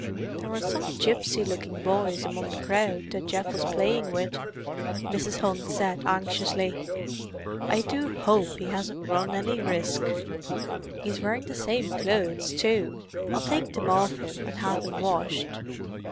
"There were some gipsy looking boys among the crowd that Geoff was playing with," Mrs. Hunt said anxiously. "I do hope he hasn't run any risk. He is wearing the same clothes, too—I'll take them off him, and have them washed."